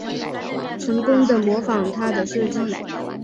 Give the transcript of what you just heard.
成功的模仿他的设计